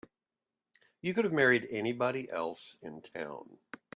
You could have married anybody else in town.